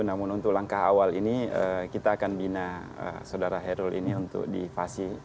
namun untuk langkah awal ini kita akan bina saudara herul ini untuk di fasi